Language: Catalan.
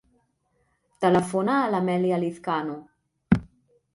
Telefona a l'Amèlia Lizcano.